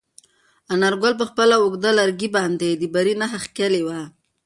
انارګل په خپل اوږد لرګي باندې د بري نښه کښلې وه.